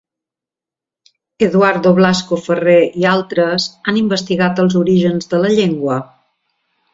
Eduardo Blasco Ferrer i altres han investigat els orígens de la llengua.